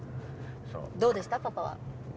どうでしたパパは？